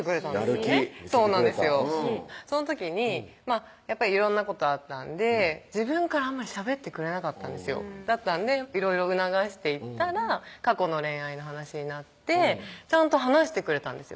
やる気見せてくれたその時にやっぱ色んなことあったんで自分からあんまりしゃべってくれなかったんですよだったんでいろいろ促していったら過去の恋愛の話になってちゃんと話してくれたんですよね